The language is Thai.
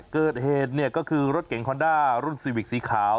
เกิดเหตุเนี่ยก็คือรถเก่งคอนด้ารุ่นซีวิกสีขาว